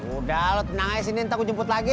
udah lo tenang aja sini ntar gue jemput lagi